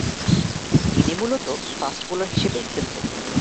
তিনি মূলতঃ fast bowler হিসেবে খেলতেন।